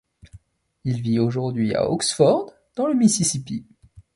Il vit aujourd'hui à Oxford, dans le Mississippi.